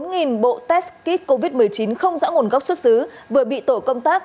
gần một bộ test kit covid một mươi chín không rõ nguồn gốc xuất xứ vừa bị tổ công tác